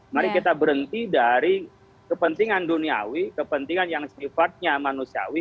mari kita berhenti dari kepentingan duniawi kepentingan yang sifatnya manusiawi